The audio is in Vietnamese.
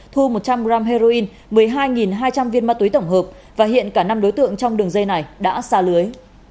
thu một trăm linh g heroin một mươi hai hai trăm linh viên ma túy tổng hợp và hiện cả năm đối tượng trong đường dây này đã xa lưới